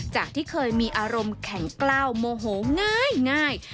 จากที่เคยมีอารมณ์แข็งกล้าวโมโหง่าย